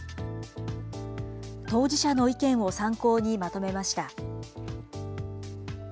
当事者の意見を参考にまとめました。